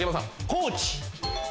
高知。